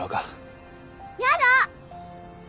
やだ！